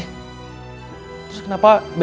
terus kenapa bella pakai kain